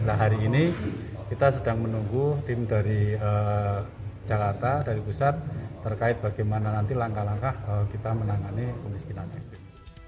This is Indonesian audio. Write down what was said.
nah hari ini kita sedang menunggu tim dari jakarta dari pusat terkait bagaimana nanti langkah langkah kita menangani kemiskinan ekstrim